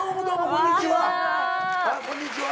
こんにちは。